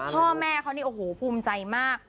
พ่อแม่เขานี่โอ้โหภูมิใจมาก